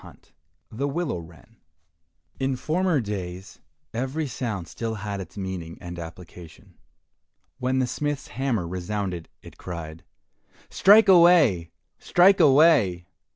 171 The Willow Wren In former days every sound still had its meaning and application. When the smith's hammer resounded, it cried, "Strike away! strike away."